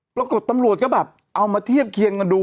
ปรากฏตำรวจก็แบบเอามาเทียบเคียงกันดู